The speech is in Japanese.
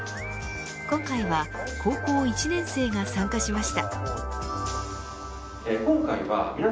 今回は高校１年生が参加しました。